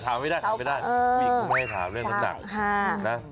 ถามไม่ได้ไม่ได้ถามเรื่องน้ำหนัก